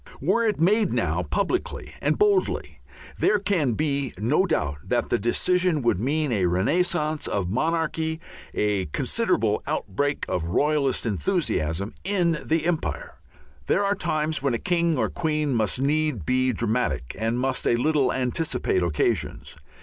Were it made now publicly and boldly, there can be no doubt that the decision would mean a renascence of monarchy, a considerable outbreak of royalist enthusiasm in the Empire. There are times when a king or queen must need be dramatic and must a little anticipate occasions.